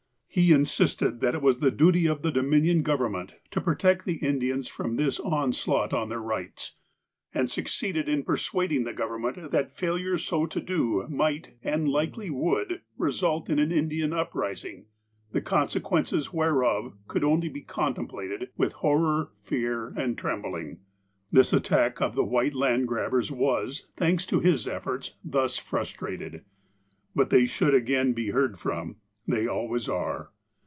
He insisted that it was the duty of the Dominion Government to protect the Indians from this onslaught on their rights, and succeeded in persuading the govern ment that failure so to do might, and likely would, result in an Indian uprising, the consequences whereof could only be contemplated with horror, fear, and trembling. This attack of the white land grabbers was, thanks to his efforts, thus frustrated. But they should again be heard from. They always are.